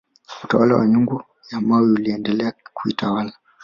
utawala wa nyungu ya mawe uliendelea kutawala